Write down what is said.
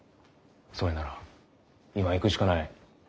それなら今行くしかない。